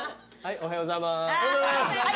おはようございます。